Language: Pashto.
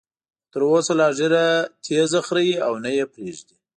خو تر اوسه لا ږیره تېزه خرېي او نه یې پریږدي.